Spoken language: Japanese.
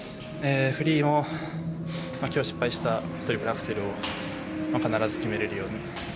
フリーも今日失敗したトリプルアクセルを必ず決めれるように。